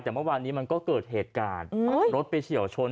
แต่เมื่อวานนี้มันก็เกิดเหตุการณ์รถไปเฉียวชน